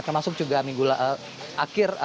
termasuk juga minggu akhir